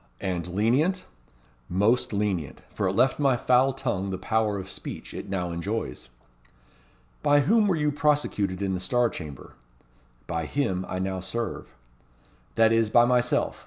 "And lenient?" "Most lenient. For it left my foul tongue the power of speech it now enjoys." "By whom were you prosecuted in the Star Chamber?" "By him I now serve." "That is, by myself.